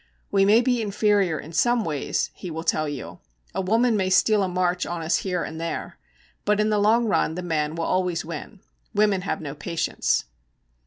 'We may be inferior in some ways,' he will tell you. 'A woman may steal a march on us here and there, but in the long run the man will always win. Women have no patience.'